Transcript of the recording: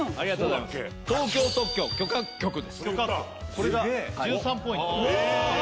これが１３ポイントへえ